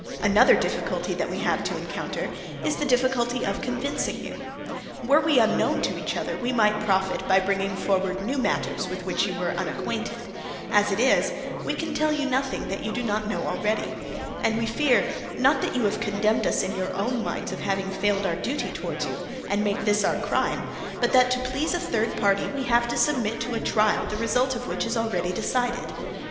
Another difficulty that we have to encounter is the difficulty of convincing you. Were we unknown to each other we might profit by bringing forward new matter with which you were unacquainted: as it is, we can tell you nothing that you do not know already, and we fear, not that you have condemned us in your own minds of having failed in our duty towards you, and make this our crime, but that to please a third party we have to submit to a trial the result of which is already decided.